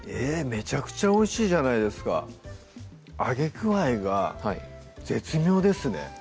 めちゃくちゃおいしいじゃないですか揚げ具合が絶妙ですね